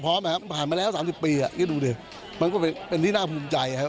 ผ่านมาแล้ว๓๐ปีก็ดูดิมันก็เป็นที่น่าภูมิใจครับ